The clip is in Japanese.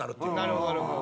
なるほどなるほど。